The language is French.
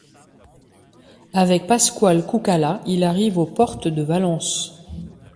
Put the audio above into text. Avec Pascual Cucala, il arriva aux portes de Valence.